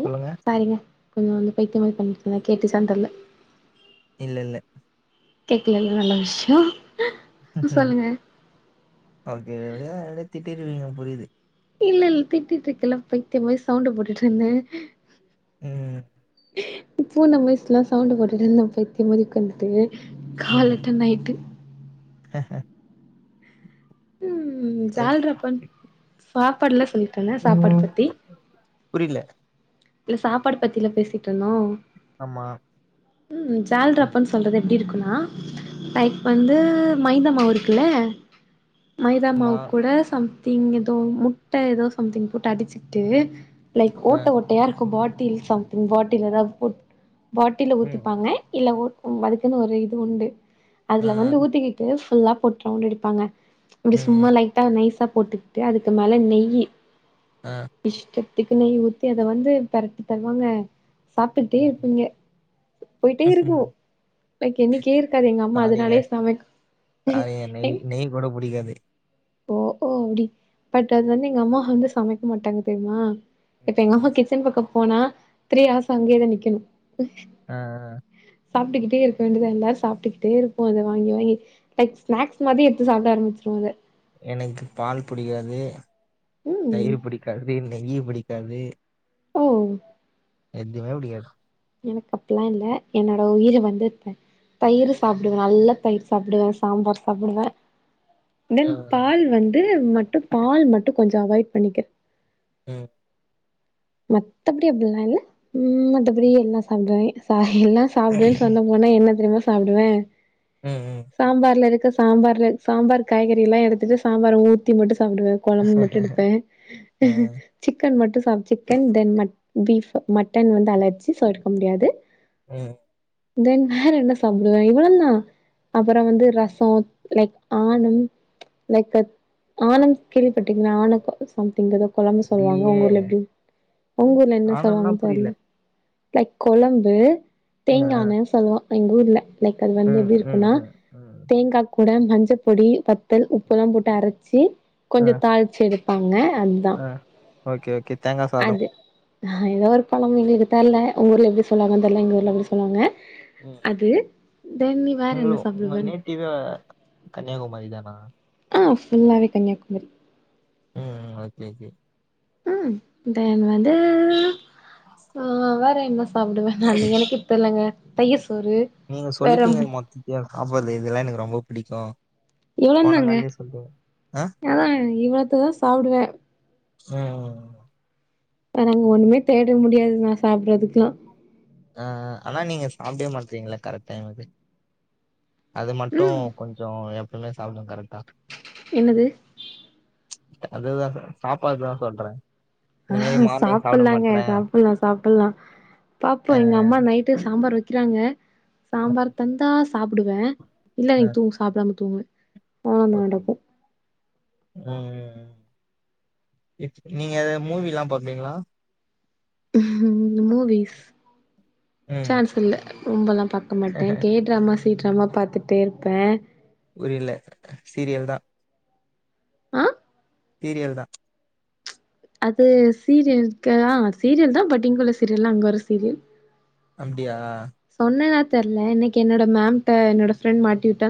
ம் சொல்லுங்க. சாரிங்க கொஞ்சோ வந்து பைத்திய மாரி பண்ணிட்டேனா கேட்டு செண்டர்ல இல்லல்ல கேக்கலல்ல நல்ல விஷ்யோ சொல்லுங்க ஓகே எப்படியே அப்டே திட்டிருவீங்க புரியுது இல்லல்ல திட்டிட்டு இருக்கல்லா பைத்திய மாரி சவுண்டு போட்டுட்டு இருந்த ம் இப்போ நம்ம வயசெல்லா சவுண்டு போட்றது நம்ம பைத்திமாரி உக்காந்துட்டு ம். காலட்டுனா எட்டு ம் எப் ஜால்ரப்பன் சாப்பாடுலா சொல்லிட்டேனா சாப்பாடு பத்தி புரில சாப்பாடு பத்தில பேசிட்ருந்தோ ஆமா. ம் ம். ஜால்ரப்பன்னு சொல்றது இருக்குன்னா லைக் வந்து மைதாமாவு இருக்குல்ல மைதாமாவு ஆமா. கூட சம்திங் ஏதோ முட்ட ஏதோ சம்திங் போட்டு அடிச்சுக்கிட்டு லைக் அ. ஓட்ட ஓட்டையா இருக்கு பாட்டில் சம்திங் பாட்டில் அதாது போட் பாட்டில ம். ஊத்திப்பாங்க இல்ல ஒ அதுக்குன்னு ஒரு இது உண்டு அ. அதுல வந்து ஊத்திக்கிட்டு ஃபுல்லா போட்டு ரவுண்டடிப்பாங்க இங்க சும்மா ம். லைட்டா நைஸா போட்டுக்கிட்டு அதுக்கு மேல நெய்யி அ. இஷ்டத்துக்கு நெய் ஊத்தி அத வந்து பெரட்டி தருவாங்க சாப்ட்டுட்டே ம். இருப்பீங்க போயிட்டே இருக்கு லைக் எண்ணிக்கேயே இருக் காது எங்க அம்மா சாரிங்க. அதனாலேயே சமைக்கு சாரிங்க. நெய் எங் நெய் கூட புடிக்காது. ஓ ஓ அப்டி பட் அது வந்து எங்க அம்மா வந்து சமைக்க மாட்டாங்க தெரியுமா இப்ப எங்க அம்மா கிச்சன் பக்க போனா த்ரீ அவர்ஸ் அங்கேயேதா நிக்கணும் ஆஹ் ஆஹ் சாப்ட்டுக்கிட்டே இருக்க வேண்டியத எல்லாரு சாப்ட்டுக்கிட்டே இருப்போ இத வாங்கி வாங்கி லைக் ஸ்நாக்ஸ் மாரி எடுத்து சாப்ட ஆம்பிச்சுருவ அத எனக்கு பால் புடிக்காது ம் தயிர் புடிக்காது நெய் பிடிக் காது ஓ எதுவுமே புடிக்காது எனக்கு அப்பில்லா இல்ல என்னோட உயிர் வந்து இப்ப தயிர் சாப்டுவே நல்லா தயிர் சாப்டுவே சாம்பார் சாப்டுவே தென் ம். பால் வந்து மட்டு பால் மட்டு கொஞ்ச அவாய்ட் பண்ணிக்க ம் மத்தபடி அப்டில்லா இல்ல மத்தபடி எல்லா சாப்டுவாங்க சா எல்லா சாப்டுவேன்னு சொன்ன போனா என்ன தெரியுமா சாப்டுவே ம். ம். சாம்பார்ல இருக் ட்டு சாம்பார்ல சாம்பார் காய்கறி எல்லா எடுத்துட்டு சாம்பார் ஊத்தி மட்டு சா சாப்டுவே குழம்பு மட்டு எடுப்பே அ. சிக்கன் மட்டு சாப்பிச் சிக்கன் தென் பீஃப் மட்டன் வந்து அலர்ச்சி சோ எடுக்க முடியாது ம் தென் வேற என்ன சாப்டுவே இவ்ளோதா அப்றோ வந்து ரசம் லைக் ஆனும் லைக் த் ஆனம் கேள்விப்பட்டீங்களா அனக் சம் ங்கத குழம்பு சொல்லுவாங்க இல்லையே! உங்க ஊர்ல எப்டி உங்க ஊர்ல என்ன ஆனம்னா சொல்லுவாங்கன்னு புரியல. தெர்ல லைக் கொழம்பு ம் தேங்கானனு சொல்லவோ எங்க ஊர்ல லைக் அது வந்து ம் எப்டி ம் இருக்கும்னா ம் ம் ம் தேங்கா கூ கூட மஞ்ச பொடி பத்தல் உப்பெலா போட்டு அரச்சு கொஞ்சோ தாளிச்சு எடுப்பாங்க அதுதா ஆஹ ஓகே ஓகே தேங்கா சாதம் அது ஏதோ ஒரு கொழம்பு [unintelligible] உங்க ஊர்ல எப்டி சொல்லுவாங்க தெர்ல எங்க ஊர்ல இப்டி சொல்லுவாங்க அது தென் நீ வேற உங் என்ன உங்க சாப்டுவ நேட்டிவே கன்னியாகுமரி தானா ஆஹ் ஃபுல்லாவே கன்னியாகுமாரி ம் ஓகே ஓகே ம் தென் வந்து ஆஹ வேற சாப்டுவே நல் எனக்கு தெரியலங்க தயிர்ஸ் நீங்க சொல்லிட்டீங்க மொத்தத்தியு சாப்டறது இதெல்லா எனக்கு ரொம்ப பிடிக்கு இவ்ளோ போன தாங்க கால்லயே சொல்ட்டீங்க ஆ அதா இவ்ளோத்தையு சாப்டுவே ம் நாங்க ஒண்ணுமே தேட முடியாதுங்க சாப்டுறதுக்கெல்லா ஆஹ் ஆஹ் ஆனா நீங்க சாப்டவே மாட்றீங்களா கரெக்ட் டைமுக்கு அது மட்டு ம் கொஞ்சோ எப்பவுமே சாப்டுங்க கரெக்டா என்னது ச் அதுதா சாப்பாடுதா சொல்றே இந்த மாரி ஆஹ் மார்னிங் சாப்ட சாப்லாங்க மாட்றே சாப்லா சாப்லா ஆ பாப்போ எங்க அம்மா நைட்டே ச சாம்பார் வைக்கிறாங்க ஆ சாம்பார் தந்தா சாப்டுவே இல்ல ஆ எது சாப்டாம தூங்கிவே ஓகே ம் இச் நீங்க மூவிலா பாப்பிங்களா மூவிஸ் ம் சாய்ஸ் இல்ல ரொம்பல்லாம் பாக்க மாட்டே தேட்றா இருந்து சீட்ரா பாத்துட்டே இருப்பே புரியல சீரியல் தா ஆ சீரியல் தா அது சீரியலக்குதா சீரியல் தா பட்டிகுள்ளர் சீரியல்லா அங்க ஒரு சீரியல் அப்டியா சொன்னேனா தெர்ல இன்னைக்கு என்னோட மேம்ட்ட என்னோட ஃப்ரெண்ட் மாட்டி விட்டா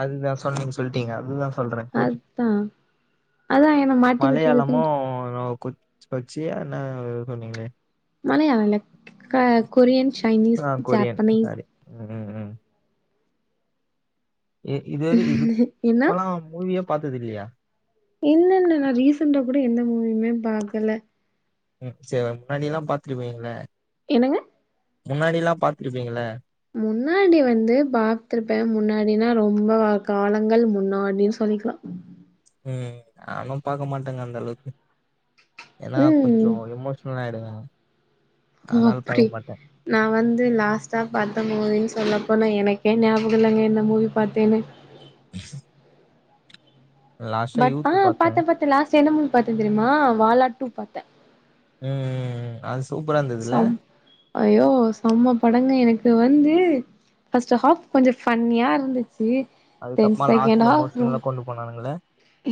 அதுதா சொன்னீங்க சொல்லிட்டீங்க அதுதா சொல்றே கூச் அதா அதா என்ன மாட்டி விட்டுறதுக்கு மலையாளமு கொ கொச்சி ஆன சொன்னீங்களே மலையாள க கொரியன் சைனீஸ் ஜப்பனீஸ் உம் உம் இதுவரை இது என்ன இப்பல்லா மூவிய பா்த்தது இல்லையா இல்ல இல்ல நா ரீசண்டா கூட எந்த மூவியுமே பாக்கல உம் சரி முன்னாடி எல்லா பாத்து இருபேங்கள என்னங்க முன்னாடி எல்லா பாத்துருப்பீங்கள முன்னாடி வந்து பாத்துருப்ப முன்னாடினா ரொம்ப காலங்கள் முன்னாடின் சொல் நிக்கலா ம் நானும் பாக்க மாட்டேங்க அந்த அளவுக்கு ஏன்னா கொஞ்ச ம் இமோஷனல் ஆயிடுங்க அப்படி நா வந்து லாஸ்டா பார்த்த மூவி சொல்லப்போனா எனக் ஏ ஞாபகம்ல்லாங்க என்ன மூவி பார்த்தேன்னே ஆ பட் ஆ பாத்தே பாத்த பாத்த லாஸ்ட் என்ன மூவி பார்த்தே தெரியுமா வாலா டூ பார்த்தே ம் ம் அது சூப்பரா இருந்ததுல சம் ஐயோ செம்ம படங்க எனக்கு வந்து ஃபர்ஸ்ட்ட் ஹாப் கொஞ்ச ஃபன்னியா இருந் ச்சு தென் அதுக்கப்புறமா செகண்ட் லாஸ்ட்ல ஹாஃப் ரோ எமோஷனலா கொண்டு போனானுங்கள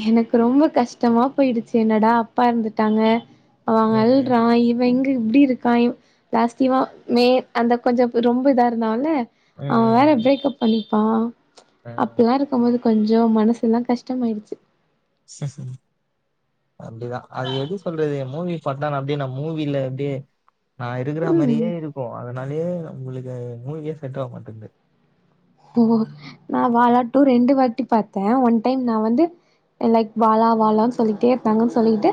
எனக்கு ரொம்ப கஷ்டமா போயிடுச்சு என்னடா அப்பா இறந்துட்டாங்க ம் அவக அல்றா இவ இங் இப்படி இருக்கா லாஸ்டீவா மே அந்த கொஞ்ச ரொம்ப இதா இருந்தால ம் ம் அவ வேற பிரேக்ப் பண்ணிப்பா ம் ம் அப்படில்லா இருக்கும்போது கொஞ்ச மனசு எல்லா கஷ்டமாயிடுச்சு அப்படிதா அது எப்படி சொல்றது மூவி பார்த்த நா அப்படியே நா மூவில அப்படியே நா இருக்கிற ம் மாரியே இருக்கு அதனாலயே உங்களுக்கு மூவியே செட் ஆக மாட்க்குது ஓ நா வாலாட்டூ ரெண்டு வாட்டி பார்த்த ஒன் டைம் நா வந்து லைக் வாலா வாலான்னு சொல்லிட்டே இருந்தாங்கன்னு சொல்லிட்டு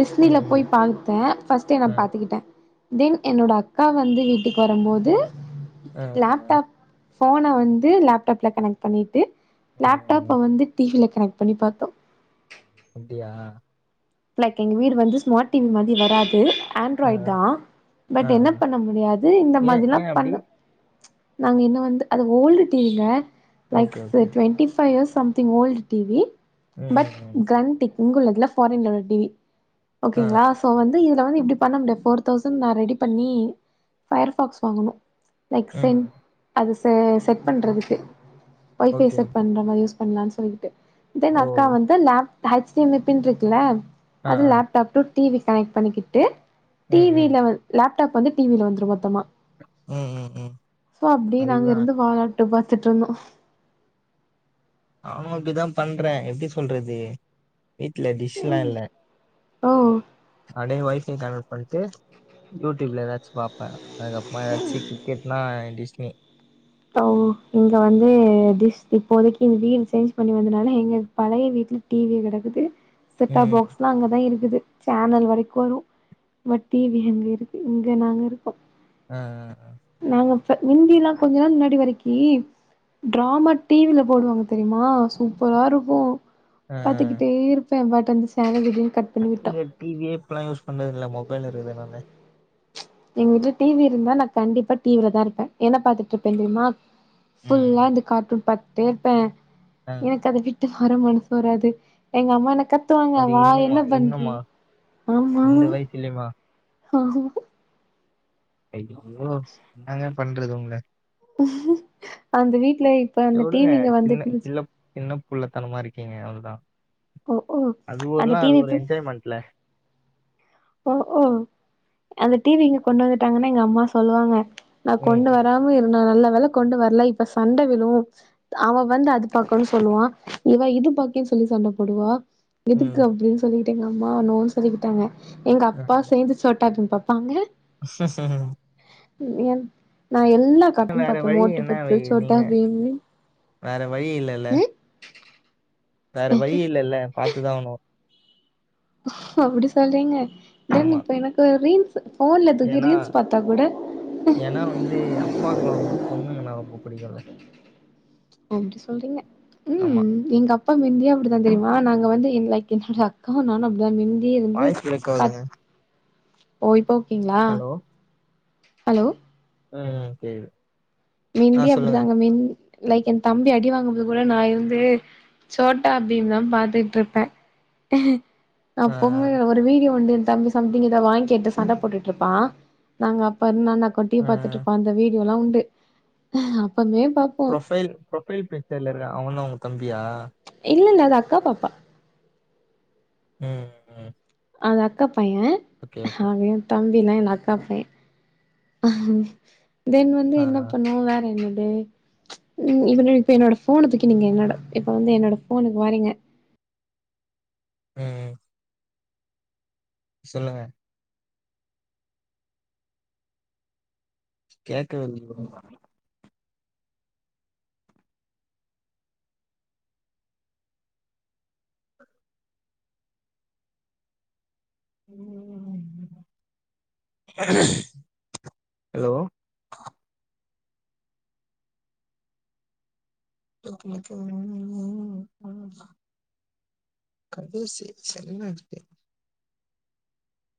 டிஸ்னில ம் போய் பார்த்தே பஃர்ஸ்ட்ட் நா ம் பாத்துக்கிட்ட தென் என்னோட அக்கா வந்து வீட்டுக்கு வரும்போது ஆ அ போன வந்து லேப்டாப்ல கனெக்ட் பண்ணிட்டு ம் ம் லேப்டாப் ம் வந்து டிவில கனெக்ட் பண்ணி பார்த்தோ அப்டியா லைக் எங்க வீடு வந்து ஸ்மார்ட் டிவி மாதிரி வராது ஆ ஆண்ட்ராய்ட் தா ஆ பட் என்ன ஆ பண்ண முடியாது இந்த ஏ மாதிரிலா ஏ அப்டி பண்ண நாங்க இங்க வந்து அது ஓல்டு டிவில like okay okay okay twenty five years some ங் ஓல்டு டிவி ம் பட் ம் ம் கண்டிக் இங்கு உள்ளதுல ஃபாரின்ல உள்ள டிவி ஆ ஓகேங்களா சோ வந்து இதுல வந்து அப்படி பண்ண முடியாது ஃபோர் தௌசண்ட் நா ரெடி பண்ணி ஃபயர் ஃபக்ஸ் வாங்கனு லைக் ம் சென் அது செட் பண்றதுக்கு வை பை ஓகே செட் ஓகே பண்ற மாரி யூஸ் பண்ணலானு சொல்லிட்டு தென் ஓ அக்கா வந்து லப் ஹச்டிமல் பின் இருக்குல ஆ அது ஆ லேப்டாப் டூ டிவி கனெக்ட் பண்ணிக்கிட்டு ம் ம் டிவில வந்து லப் டாப் வந்து டிவில வந்துரு மொத்தமா ம் ம் ம் சோ அப்படி நாங்க அதுதா இருந்து வாட்ட ட்டு பாத்துட்டு இருந்தோ நானு அப்படிதா பண்றே எப்படி சொல்றது வீட்டுல டிஷ் எல்லா இல்ல ஓ அப்படியே வைப் பை கன்வெர்ட் பண்ணிட்டு யூ ட்யூப்ல ஏதாச் பாப்ப அதுக்கப்பறமாச்சு கிரிக்கெட் நா டிஸ்னி ஆ இங்க வந்து டிஷ் இப்போதைக்கு வீடு சேஞ்ச் பண்ணி வந்தனால எங்க பழைய வீ ட்ல டிவி கெடக்குது செட்டாப் ம் பாக்ஸ்லா அங்கதா இருக்குது சேனல் வரைக்குனு ல டிவி அங்க இருக்கு இங்க நாங்க இருக்கு ஆ நாங்க ஃப முந்தில்லா முன்னாடி வரைக்கி டிராமா டிவில போடுவாங்க தெரியுமா சூப்பரா இருக்கு ஆ பாத்துக்கிட்டே இருப்பே பட் அந்த சேனல் [unintelligible] விட்டா இங்க டிவியே இப்பல்லா யூஸ் பண்றது இல்ல மொபைல் இருக்குதுனால எங்க வீட்ல டிவி இருந்தா நா கண்டிப்பா டிவில தா இருப்பே என்ன பாத்துட்டு இருப்பே தெரியுமா ம் ஃபுல்லா இந்த கார்ட்டூன் பாத்துட்டே இருப்பே ஆ எனக்கு அத விட்டு வர மனசு வராது எங்க அம்மா என்னக் கத்துவாங்க அப்டி வா இன்னுமா என்ன பண்ற இன்னுமா ஆமா இந்த வயசுலயுமா ஆமா ஐயயோ என்னங்க பண்றது உங்கள அந்த வீட்ல இப்ப சரி அந்த டி வுடுங்க வி இங்க சின்ன வந்துட்டு வச்சுங் சில்ல சின்ன புள்ளத்தனமா இருக்கீங்க அவ்ள்வுதா வச்சுக்கோ அது அந்த ஒருல அது டிவி ஒரு என்ஜாய்மெண்ட்ல ஒ ஓ அந்த டி வி இங்க கொண்டு வந்துட்டாங்கன்னு எங்க அம்மா சொல்லுவாங்க நா ம் கொண்டு ம் வராம இருந்தா நல்லா ஒருவேள கொண்டு வர்லா இப்ப சண்ட விலு அவ வந்து அது பாக்குனு சொல்லுவா இவ இது பாக்கே சொல்லி சண்ட போடுவா எதுக்கு ம் அப்டின்னு சொல்லிட்டு எங்க அம்மா நோனு சொல்லிக்கிட்டாங்க எங்க ஆ. அப்பா சேர்ந்து சொ கார்ட்டூன் பாப்பாங்க [unintelligible] ந நா எல்லா கார்ட்டூன் வேற பாப்பே வழி மோட்டு என்ன பத்துலு வை- சோட்டா நீங்க பீம் வேற வழி இல்லல்ல ம் வேற வழிய இல்லல்ல பாத்துதா ஆவுணு அப்டி சொல்றீங்க நான் ஆமா இப்ப எனக்கு ரீல்ஸ் ஃபோன்ல தூக்கி ஏன்னா ரீல்ஸ் பாத்தா கூட ஏன்னா வந்து அப்பாக்குலா வந்து பொண்ணுங்கனா ரொம்ப பிடிக்குல அப்டி சொல்றீங்க ஆமா. ம் எங்க அப் பா மிந்தியே அப்டித்தா தெரியுமா நாங்க வந்து என் லைக் என்னுட அக்காவு நானு அப்டிதான் மிந் வாய்ஸ் பிரேக் ஆவுதுங்க ஓ இப்போ ஓகேங்களா ஹலோ ம் கேக்குது ஆ மிந்தியே சொல்லுங்க. அப்டிதாங்க மிந் லைக் எ தம்பி அடி வாங்கும்போது கூட நா இருந்து சோட்டா பீம் தா பாத்துட்டு இருப்பே ஆ அப்பவுமே ஒரு வீடியோ உண்டு தம்பி சம்திங் ஏதோ வாங்கி கேட்டு சண்ட போட்டுட்டு இருப்பா நாங்க அப்ப இருந்து நானு அக்காவு டிவி ஆ பார்த்துட்டு இருப்போ அந்த வீ டியோலா உண்டு பாப்போ ப்ரொஃபைல் ப்ரொஃபைல் பிச்சர்ல இருக்கா அவதா உ தம்பியா இல்லல்ல அது அக்கா பாப்பா ம் ம் அது அக்கா பைய ஓகே, ஓகே. அவ எ தம் பிலா இல்ல அக்கா பைய தென் வந்து ஆ, என்ன பண்ணுவு வேற என்னன் னி நீங் இப்ப நீ இப்ப என்னோட ஃபோன தூக்கி நீங்க என்னோட இப்ப வந்து என்னோட ஃபோனுக்கு வரீங்க ம் ம் சொல்லுங்க கேக்கவே இல்ல [inaudible] [inaudible] ஹலோ [unintelligible] கடைசி [unintelligible]